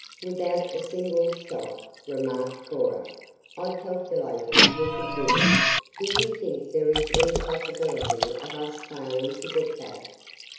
"Without a single stop," remarked Cora, "I calculated we could do it. Do you think there is any possibility of us failing to get back?"